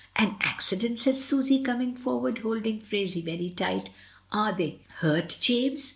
"An accident!" said Susy, coming forward, hold ing Phraisie very tight "Are they hurt, James?